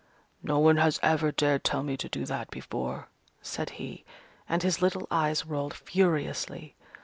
"No one has ever dared tell me to do that before," said he, and his little eyes rolled furiously.